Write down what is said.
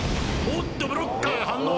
おっとブロッカーが反応。